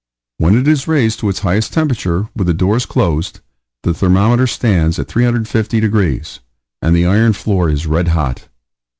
When it is raised to its highest temperature, with the doors closed, the thermometer stands at 350 degrees, and the iron floor is red hot.